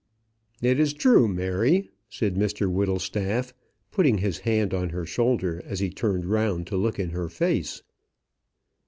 "It is true, Mary," said Mr Whittlestaff, putting his hand on her shoulder, as he turned round to look in her face.